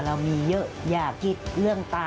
สวัสดีค่ะสวัสดีค่ะ